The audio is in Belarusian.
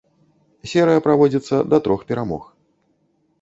Серыя праводзіцца да трох перамог.